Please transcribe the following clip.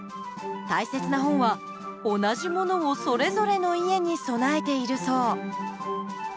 大切な本は同じものをそれぞれの家に備えているそう。